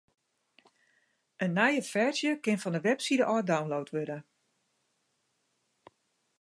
In nije ferzje kin fan de webside ôf download wurde.